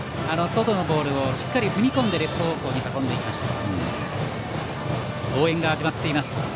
外のボールをしっかり踏み込んでレフト方向へ運んで行きました。